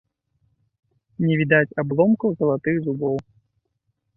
Не відаць абломкаў залатых зубоў.